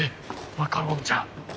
マカロンじゃん。